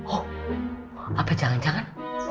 oh apa jangan jangan